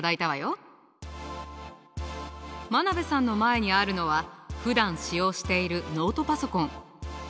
真鍋さんの前にあるのはふだん使用しているノートパソコン。